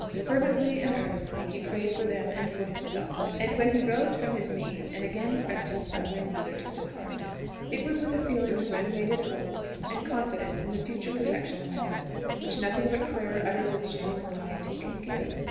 Fervently and earnestly he prayed for them and for himself; and when he rose from his knees and again pressed his suffering mother to his heart, it was with a feeling of renovated hope and confidence in the future protection of Heaven which nothing but prayer uttered with genuine piety can give.